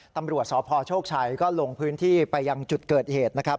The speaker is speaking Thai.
ตำรวจสพโชคชัยก็ลงพื้นที่ไปยังจุดเกิดเหตุนะครับ